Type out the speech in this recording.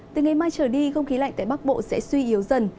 từ ngày mai trở đi không khí lạnh tại bắc bộ sẽ suy yếu dần